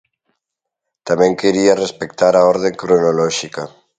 Tamén quería respectar a orde cronolóxica.